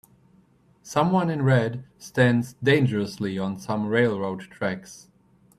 Someone in red stands dangerously on some railroad tracks.